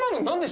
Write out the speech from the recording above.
何？